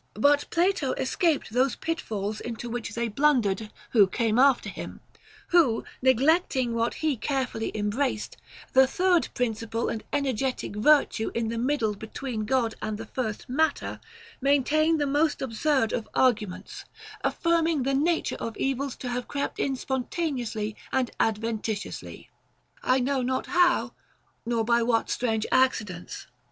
But Plato escaped those pitfalls into which they blundered who came after him ; who, neglecting what he carefully embraced, the third principle and energetic virtue in the middle between God and the first matter, maintain the most absurd of arguments, affirming the nature of evils to have crept in spontaneously and adventitiously, I know not how nor by what strange accidents.